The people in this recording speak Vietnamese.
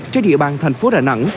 trên địa bàn thành phố đà nẵng